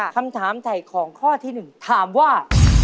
คำถามใส่ของข้อที่หนึ่งถามว่า